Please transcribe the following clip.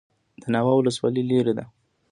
د ناوه ولسوالۍ لیرې ده